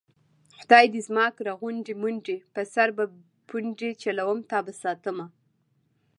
خدای دې زما کړه غونډې منډې په سر به پنډې چلوم تابه ساتمه